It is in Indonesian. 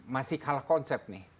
masih kalah konsep nih